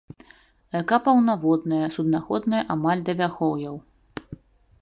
Рака паўнаводная, суднаходная амаль да вярхоўяў.